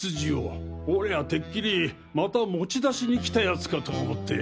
てっきりまた持ち出しに来た奴かと思って。